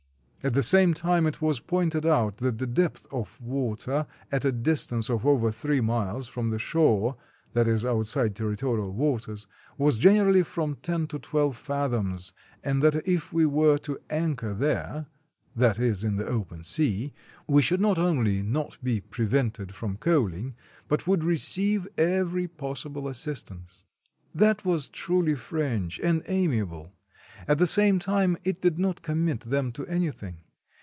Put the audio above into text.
At the same time it was pointed out that the depth of water at a distance of over three miles from the shore (that is, outside territorial waters) was generally from ten to twelve fathoms, and that if we were to anchor there (that is, in the open sea), we should not only not be pre vented from coaling, but would receive every possible assistance. That was truly French — and amiable; at the same time, it did not commit them to anything.